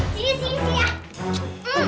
sini sini siap